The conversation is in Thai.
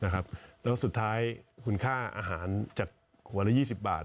แล้วสุดท้ายคุณค่าอาหารจากหัวละ๒๐บาท